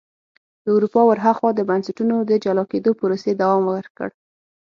له اروپا ور هاخوا د بنسټونو د جلا کېدو پروسې دوام ورکړ.